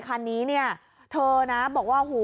แล้วคุณป้าบอกรถคันเนี้ยเป็นรถคู่ใจเลยนะใช้มานานแล้วในการทำมาหากิน